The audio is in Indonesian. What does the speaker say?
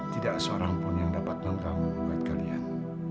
tidak seorang pun yang dapat lengkap buat kalian